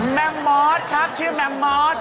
แม่มอร์ดครับชื่อแม่มอร์ด